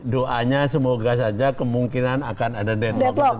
doanya semoga saja kemungkinan akan ada demo